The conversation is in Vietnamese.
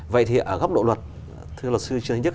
vậy thì ở góc độ luật thưa luật sư trương thánh đức